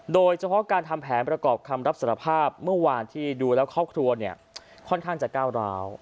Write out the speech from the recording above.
โดยเฉพาะการทำแผนประกอบคำรับสารภาพเมื่อวานที่ดูแล้วครอบครัวเนี่ยค่อนข้างจะก้าวร้าว